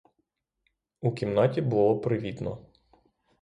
У кімнаті було привітно.